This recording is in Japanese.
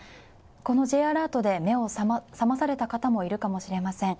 このＪアラートで目を覚まされた方もいるかもしれません。